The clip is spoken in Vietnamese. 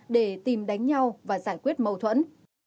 để tìm đánh nhau và giải quyết mâu thuẫn